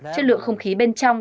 chất lượng không khí bên trong